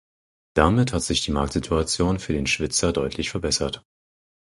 Damit hat sich die Marktsituation für den Schwyzer deutlich verbessert.